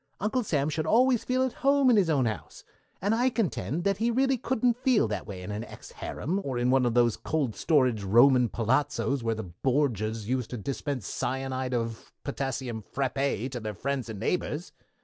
Uncle Sam should always feel at home in his own house, and I contend that he couldn't really feel that way in an ex harem, or in one of those cold storage Roman Palazzos where the Borgias used to dispense cyanide of potassium frappé to their friends and neighbors.